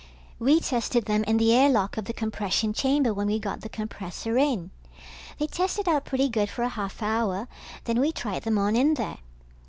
We tested them in the air lock of the compression chamber when we got the compressor in. They tested out pretty good for a half hour, then we tried them on in there.